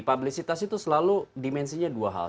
publisitas itu selalu dimensinya dua hal